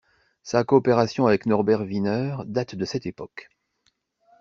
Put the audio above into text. Sa coopération avec Norbert Wiener date de cette époque.